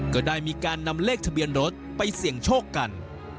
ก็ได้มีการนำเลขทะเบียนรถไปเสี่ยงโชคกัน